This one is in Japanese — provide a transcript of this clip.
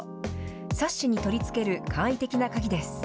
サッシに取り付ける簡易的な鍵です。